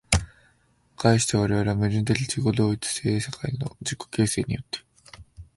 而して我々は矛盾的自己同一的世界の自己形成によって、